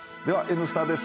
「Ｎスタ」です。